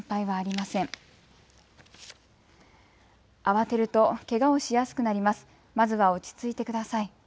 まずは落ち着いてください。